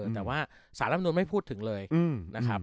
แต่ว่าสารรับนูนไม่พูดถึงเลยนะครับ